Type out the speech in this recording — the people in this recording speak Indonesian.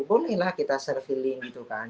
bolehlah kita serviling gitu kan